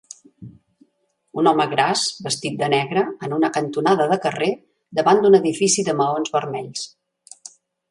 Un home gras vestit de negre en una cantonada de carrer davant d'un edifici de maons vermells.